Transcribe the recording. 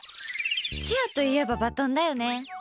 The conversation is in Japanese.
チアといえばバトンだよね。